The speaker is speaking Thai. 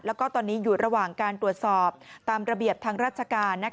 แล้วก็ตอนนี้อยู่ระหว่างการตรวจสอบตามระเบียบทางราชการ